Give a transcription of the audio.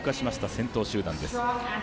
先頭集団です。